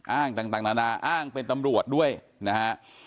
อ้างต่างนานาอ้างเป็นตำรวจด้วยนะฮะ